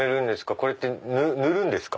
これって塗るんですか？